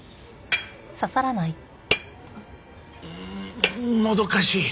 うーんもどかしい。